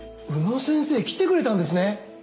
宇野先生来てくれたんですね！